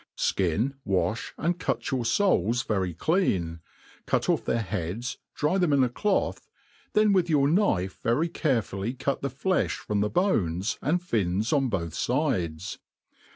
SKIN, wa(h, and cut your foals very clean, cut oflF their He^ds, dry them in a cloth, then with your knife very carefully cut the flefh from the bones and fins on both fides.